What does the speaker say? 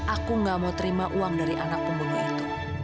aku gak mau terima uang dari anak pembunuh itu